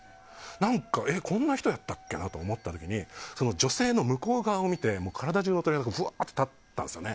何か、こんな人やったっけなと思った時に女性の向こう側を見て体中の鳥肌がブワーッと立ったんですよ。